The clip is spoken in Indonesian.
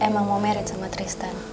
kamu emang mau married sama tristan